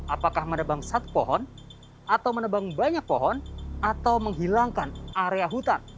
apakah menebang satu pohon atau menebang banyak pohon atau menghilangkan area hutan